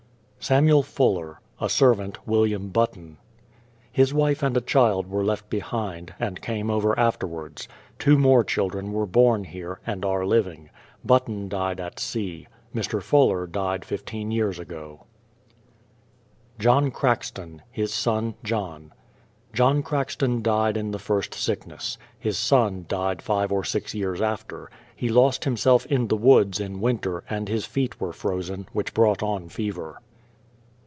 SAMUEL FULLER; a servant, WILLIAM BUTTON. His wife and a child were left behind, and came over after wards. Two more children were born here, and are living. Button died at sea. Mr. Fuller died 15 years ago. JOHN CR.\CKSTON, his son, John. John Crackston died in the first sickness. His son died 5 or 6 years after; he lost himself in the woods in winter, and his feet were frozen, which brought on fever.